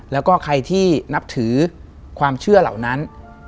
แล้วก็ใครที่นับถือความเชื่อเหล่านั้น